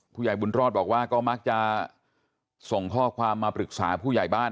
ผู้ใหญ่บุญรอดบอกว่าก็มักจะส่งข้อความมาปรึกษาผู้ใหญ่บ้าน